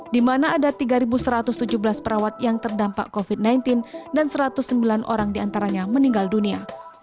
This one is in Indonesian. di mana ada tiga satu ratus tujuh belas perawat yang terdampak covid sembilan belas dan satu ratus sembilan orang diantaranya meninggal dunia